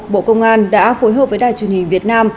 bộ công an đã phối hợp với đài truyền hình việt nam